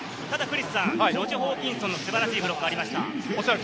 ジョシュ・ホーキンソンの素晴らしいブロックがありました。